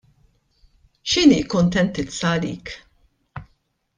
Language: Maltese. X'inhi kuntentizza għalik?